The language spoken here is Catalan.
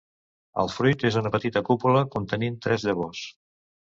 El fruit és una petita cúpula contenint tres llavors.